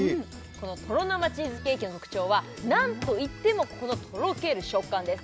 このとろ生チーズケーキの特徴はなんといってもこのとろける食感です